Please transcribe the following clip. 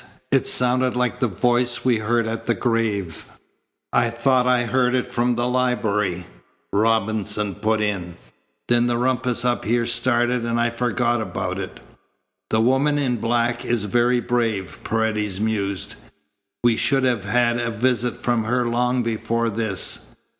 It sounded like the voice we heard at the grave." "I thought I heard it from the library," Robinson put in. "Then the rumpus up here started, and I forgot about it." "The woman in black is very brave," Paredes mused. "We should have had a visit from her long before this."